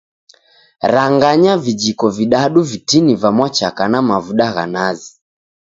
Ranganya vijiko vidadu vitini va mwachaka na mavuda gha nazi.